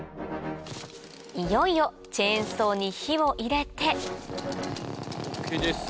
いよいよチェーンソーに火を入れてＯＫです！